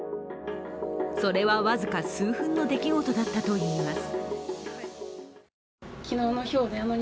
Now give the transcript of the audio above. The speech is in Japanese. それは、僅か数分の出来事だったといいます。